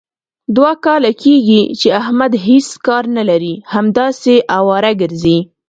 دوه کاله کېږي، چې احمد هېڅ کار نه لري. همداسې اواره ګرځي.